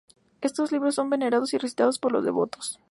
Estos libros son venerados y recitados por los devotos.